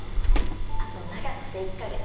あと長くて１か月。